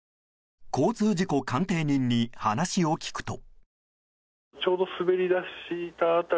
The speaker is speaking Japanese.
交通事故鑑定人に話を聞くと。